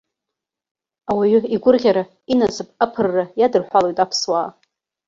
Ауаҩы игәырӷьара инасыԥ аԥырра иадырҳәалоит аԥсуаа.